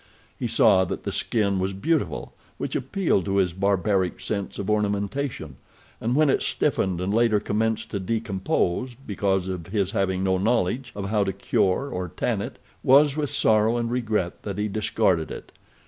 He saw that the skin was beautiful, which appealed to his barbaric sense of ornamentation, and when it stiffened and later commenced to decompose because of his having no knowledge of how to cure or tan it was with sorrow and regret that he discarded it.